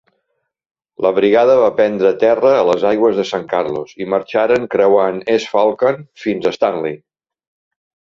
La Brigada va prendre terra a les aigües de San Carlos, i marxaren creuant East Falkland fins a Stanley.